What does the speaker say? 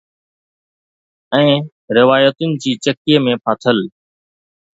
۽ روايتن جي چکی ۾ ڦاٿل